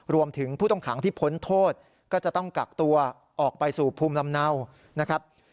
รวมถึงผู้ต้องขังที่พ้นโทษก็จะต้องกักตัวออกไปสู่ภูมิลำเนานะครับ